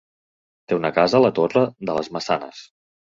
Té una casa a la Torre de les Maçanes.